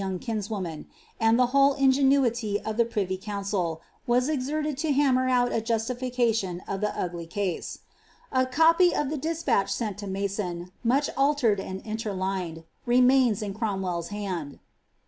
oong kinswoman, and the whole ingenuity of the piiv}* coan ertcd^lo hammer out a justification of the ugly case. A copy patch sent to Mason, much altered and interlined, remains in s hand.'